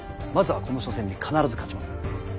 まずはこの緒戦に必ず勝ちます。